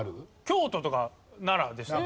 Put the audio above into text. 京都とか奈良でした。